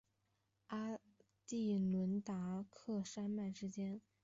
阿第伦达克山脉之间。